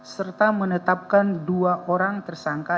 serta menetapkan dua orang tersangka